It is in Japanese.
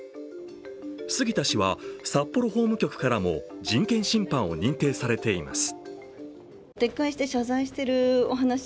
杉田氏は札幌法務局からも人権侵犯を認定されています。